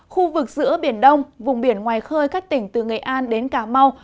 khu vực giữa biển đông vùng biển ngoài khơi các tỉnh từ nghệ an đến cà mau